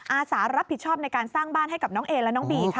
อาสารับผิดชอบในการสร้างบ้านให้กับน้องเอและน้องบีค่ะ